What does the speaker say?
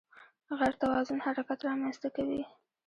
غیر توازن حرکت رامنځته کوي.